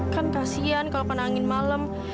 kan kasihan kalau penangin malam